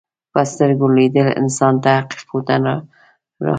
په سترګو لیدل انسان ته حقیقتونه راښيي